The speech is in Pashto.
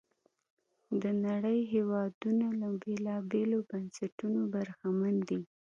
د نړۍ هېوادونه له بېلابېلو بنسټونو برخمن دي.